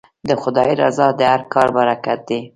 د خدای رضا د هر کار برکت دی.